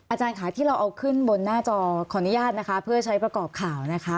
อาจารย์ค่ะที่เราเอาขึ้นบนหน้าจอขออนุญาตนะคะเพื่อใช้ประกอบข่าวนะคะ